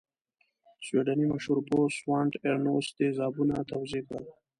سویډنۍ مشهور پوه سوانت ارینوس تیزابونه توضیح کړل.